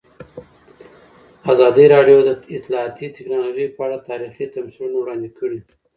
ازادي راډیو د اطلاعاتی تکنالوژي په اړه تاریخي تمثیلونه وړاندې کړي.